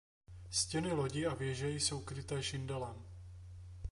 Stěny lodi a věže jsou kryté šindelem.